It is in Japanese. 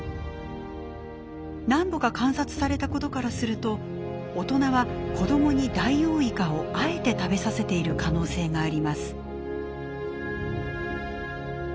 何度か観察されたことからすると大人は子どもにダイオウイカをあえて食べさせている可能性があります。